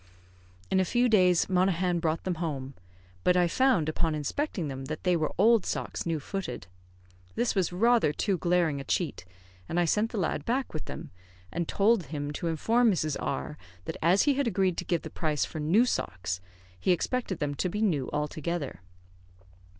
In a few days, Monaghan brought them home; but I found upon inspecting them that they were old socks new footed. This was rather too glaring a cheat, and I sent the lad back with them, and told him to inform Mrs. R that as he had agreed to give the price for new socks, he expected them to be new altogether.